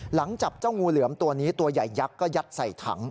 หลังจับเจ้างูเหลือมตัวนี้ตัวใหญ่ยักษ์ก็ยัดใส่ถัง